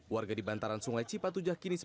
kejadiannya sekitar jam berapa